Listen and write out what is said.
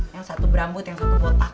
yang satu berambut yang satu kotak